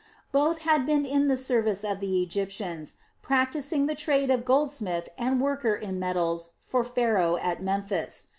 Both had been in the service of the Egyptians, practising the trade of goldsmith and worker in metals for Pharaoh at Memphis.